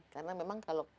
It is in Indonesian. karena memang kalau